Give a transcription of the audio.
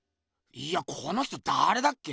いやこの人だれだっけ？